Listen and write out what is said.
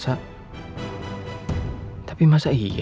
suara riki kok kayak gugup gitu ya pas gue tanya soal elsa